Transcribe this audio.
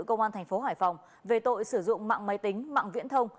công an thành phố hải phòng về tội sử dụng mạng máy tính mạng viễn thông